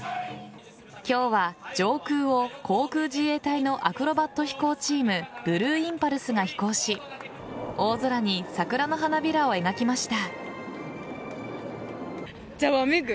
今日は上空を航空自衛隊のアクロバット飛行チームブルーインパルスが飛行し大空に桜の花びらを描きました。